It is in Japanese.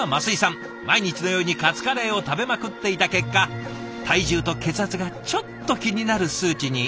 毎日のようにカツカレーを食べまくっていた結果体重と血圧がちょっと気になる数値に。